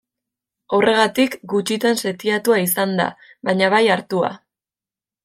Horregatik gutxitan setiatua izan da, baina bai hartua.